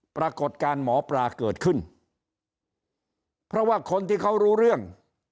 ปรากฏการณ์หมอปลาเกิดขึ้นเพราะว่าคนที่เขารู้เรื่อง